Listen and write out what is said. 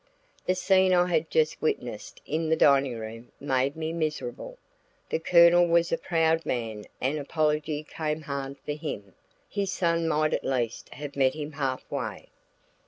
The scene I had just witnessed in the dining room made me miserable. The Colonel was a proud man and apology came hard for him, his son might at least have met him half way.